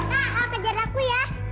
ah kau kejar aku ya